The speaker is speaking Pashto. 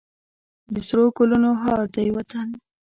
د سرو ګلونو هار دی وطن.